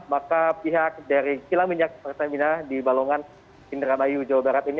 maka pihak dari kilang minyak pertamina di balongan indramayu jawa barat ini